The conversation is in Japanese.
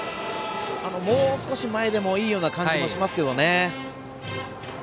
もう少し前でもいいような感じしますけどね。